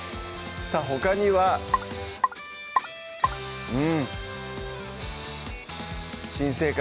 さぁほかにはうん新生活